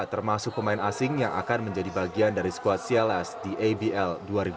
termasuk pemain asing yang akan menjadi bagian dari squad cls di abl dua ribu dua puluh